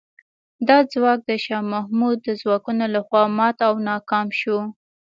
دا ځواک د شاه محمود د ځواکونو له خوا مات او ناکام شو.